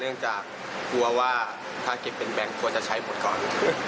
เนื่องจากกลัวว่าถ้าเก็บเป็นแบงค์กลัวจะใช้หมดก่อน